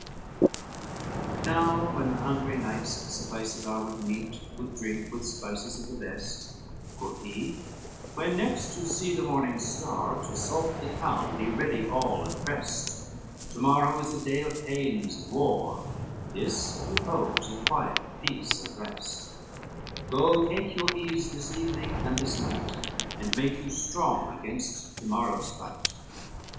XVII Now when the hungry knights sufficed are With meat, with drink, with spices of the best, Quoth he, "When next you see the morning star, To assault the town be ready all and prest: To morrow is a day of pains and war, This of repose, of quiet, peace, and rest; Go, take your ease this evening, and this night, And make you strong against to morrow's fight."